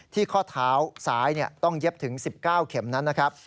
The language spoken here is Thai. ข้อเท้าซ้ายต้องเย็บถึง๑๙เข็มนั้นนะครับ